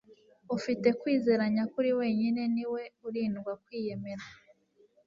Ufite kwizera nyakuri wenyine niwe urindwa kwiyemera.